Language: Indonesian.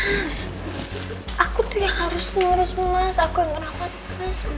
mas aku tuh yang harus nurus mas aku yang merawat mas